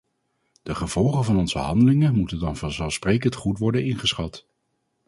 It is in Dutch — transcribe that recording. De gevolgen van onze handelingen moeten dan vanzelfsprekend goed worden ingeschat.